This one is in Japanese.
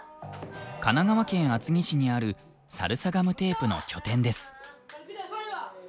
神奈川県厚木市にあるサルサガムテープの拠点です。